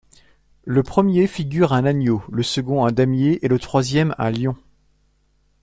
Le premier figure un agneau, le second un damier et le troisième un lion.